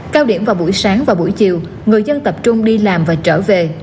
cao điểm vào buổi sáng và buổi chiều người dân tập trung đi làm và trở về